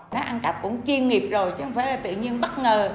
nó ăn cặp cũng chiên nghiệp rồi chứ không phải là tự nhiên bất ngờ